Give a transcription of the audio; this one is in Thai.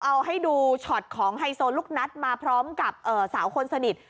เอาให้ดูช็อตของไฮโซลูกนัดมาพร้อมกับสาวคนสนิท